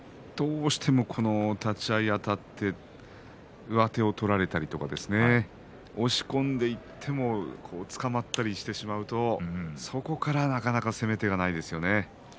立ち合いあたって上手を取られたりとか押し込んでいってもつかまったりしてしまうとそこから、なかなか攻め手がないですね。